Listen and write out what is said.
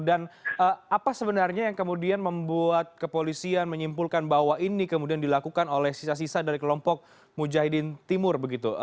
dan apa sebenarnya yang kemudian membuat kepolisian menyimpulkan bahwa ini kemudian dilakukan oleh sisa sisa dari kelompok mujahidin timur